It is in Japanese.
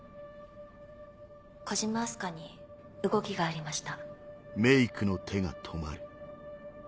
小島明日香に動きがありました。